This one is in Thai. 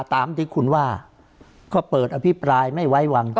ตามที่คุณว่าก็เปิดอภิปรายไม่ไว้วางใจ